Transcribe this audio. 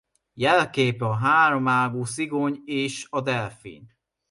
Jelképe a háromágú szigony és a delfin.